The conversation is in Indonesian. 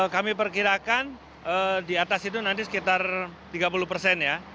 kami perkirakan di atas itu nanti sekitar tiga puluh persen ya